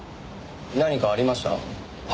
何かありました？はっ？